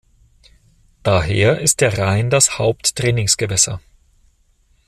Daher ist der Rhein das Haupt-Trainingsgewässer.